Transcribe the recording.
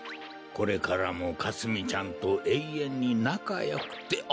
これからもかすみちゃんとえいえんになかよくって。